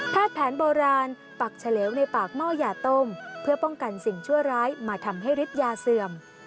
แผนโบราณปักเฉลวในปากหม้อยาต้มเพื่อป้องกันสิ่งชั่วร้ายมาทำให้ฤทธิยาเสื่อม